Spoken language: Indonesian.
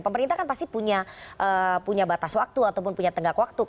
pemerintah kan pasti punya batas waktu ataupun punya tengah waktu